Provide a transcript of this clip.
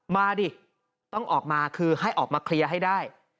มาดิต้องออกมาคือให้ออกมาเคลียร์ให้ได้